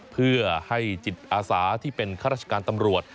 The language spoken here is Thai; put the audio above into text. เพื่อให้จิตอาสาที่เป็นข้าราชการตำรวจ